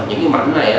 những mảnh này